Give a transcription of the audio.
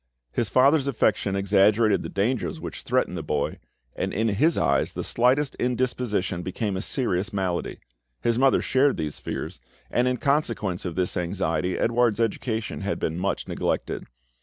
His father's affection exaggerated the dangers which threatened the boy, and in his eyes the slightest indisposition became a serious malady; his mother shared these fears, and in consequence of this anxiety Edouard's education had been much neglected.